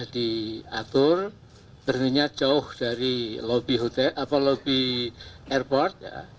dator berninya jauh dari lobby hotel atau lobby airport